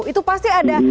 itu pasti ada